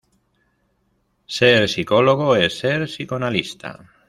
Ser psicólogo es ser psicoanalista.